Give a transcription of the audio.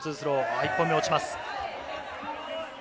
１本目、落ちます。